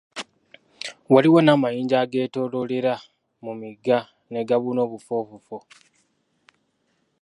Waliwo n'amanyinja ageetooloolera mu migga ne gabuna obufoofofo.